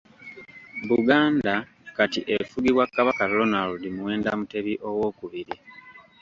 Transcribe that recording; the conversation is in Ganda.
Buganda Kati efugibwa Kabaka Ronald Muwenda Mutebi owokubiri.